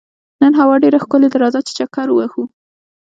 نن هوا ډېره ښکلې ده، راځه چې چکر ووهو.